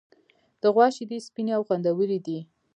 د غوا شیدې سپینې او خوندورې دي.